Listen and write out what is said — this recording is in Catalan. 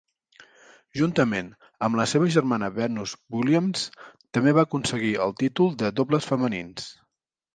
Juntament amb la seva germana Venus Williams, també va aconseguir el títol de dobles femenins.